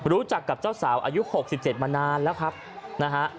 รู้จักกับเจ้าสาวอายุ๖๗มานานแล้วครับนะฮะ